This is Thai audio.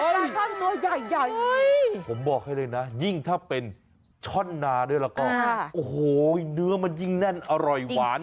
ปลาช่อนตัวใหญ่ผมบอกให้เลยนะยิ่งถ้าเป็นช่อนนาด้วยแล้วก็โอ้โหเนื้อมันยิ่งแน่นอร่อยหวาน